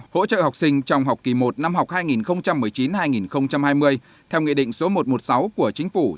hỗ trợ học sinh trong học kỳ một năm học hai nghìn một mươi chín hai nghìn hai mươi theo nghị định số một trăm một mươi sáu của chính phủ